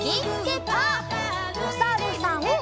おさるさん。